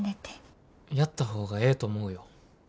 やった方がええと思うよ。